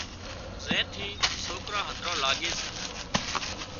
زين ٿي سوڪران هڌران لاڳي سي